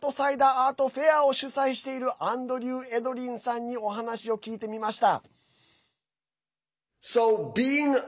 アートフェアを主催しているアンドリュー・エドリンさんにお話を聞いてみました。